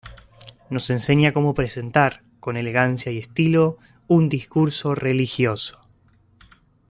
Nos enseña cómo presentar, con elegancia y estilo, un discurso religioso.